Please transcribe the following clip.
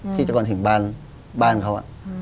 ที่จะก่อนถึงบ้านเขาอะ